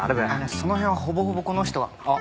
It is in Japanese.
その辺はほぼほぼこの人があっ！